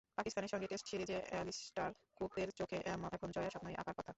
পাকিস্তানের সঙ্গে টেস্ট সিরিজে অ্যালিস্টার কুকদের চোখে এখন জয়ের স্বপ্নই আঁকার কথা।